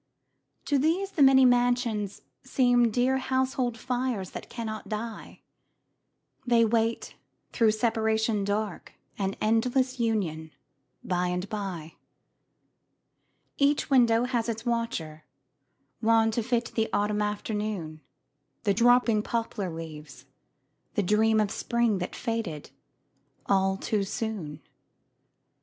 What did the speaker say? To these the many mansions seem Dear household fires that cannot die; They wait through separation dark An endless union by and by. Each window has its watcher wan To fit the autumn afternoon, The dropping poplar leaves, the dream Of spring that faded all too soon.